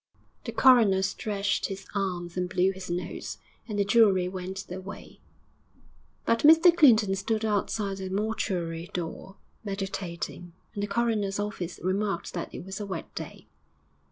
The coroner stretched his arms and blew his nose, and the jury went their way. But Mr Clinton stood outside the mortuary door, meditating, and the coroner's officer remarked that it was a wet day.